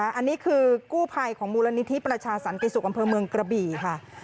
อันนี้คือกู้ภัยของมูลนิธิประชาสันติสุขอำเภอเมืองกระบี่ค่ะ